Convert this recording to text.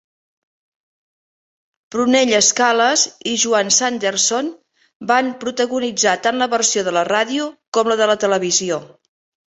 Prunella Scales i Joan Sanderson van protagonitzar tant la versió de la ràdio com la de la televisió.